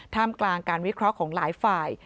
กลางการวิเคราะห์ของหลายฝ่าย